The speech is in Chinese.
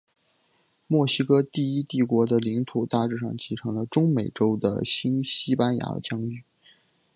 墨西哥第一帝国的领土大致上继承了中美洲的新西班牙疆域。